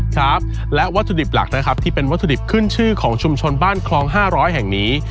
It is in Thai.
ครับและวัตถุดิบหลักนะครับที่เป็นวัตถุดิบขึ้นชื่อของชุมชนบ้านคลอง๕๐๐แห่งนี้